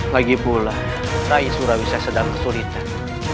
lagipula rai surawisesa sedang kesulitan